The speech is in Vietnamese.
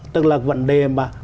tức là vấn đề mà